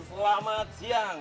oke selamat siang